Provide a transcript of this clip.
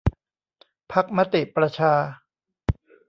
พรรคมติประชา